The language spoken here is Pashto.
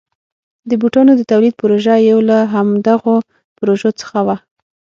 د بوټانو د تولید پروژه یو له همدغو پروژو څخه وه.